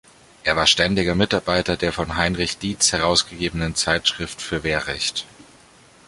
Er war ständiger Mitarbeiter der von Heinrich Dietz herausgegebenen Zeitschrift für Wehrrecht.